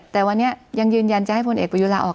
แต่วันนี้ยังยืนยันจะให้พลเอกประยุลาออก